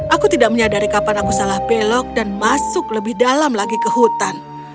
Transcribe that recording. aku tidak menyadari kapan aku salah belok dan masuk lebih dalam lagi ke hutan